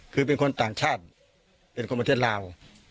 คือเป็นคนต่างชาติเป็นคนประเทศลาว